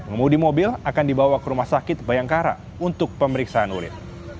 pengemudi mobil akan dibawa ke rumah sakit bayangkara untuk pemeriksaan unit